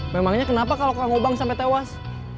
memangnya kenapa kalau kang ngobang sampai tewas